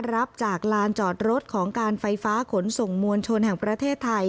รับจากลานจอดรถของการไฟฟ้าขนส่งมวลชนแห่งประเทศไทย